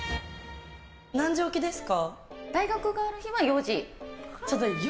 何時起きですか？